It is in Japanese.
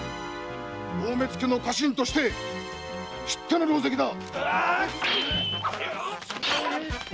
大目付の家臣として知っての狼藉だ！